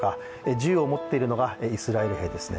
銃を持っているのがイスラエル兵ですね。